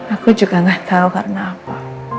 aku juga gak tahu karena apa